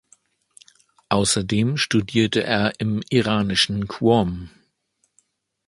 Außerdem studierte er im iranischen Qom.